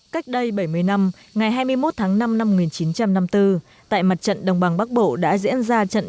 cách đây bảy mươi năm ngày hai mươi một tháng năm năm một nghìn chín trăm năm mươi bốn tại mặt trận đồng bằng bắc bộ đã diễn ra trận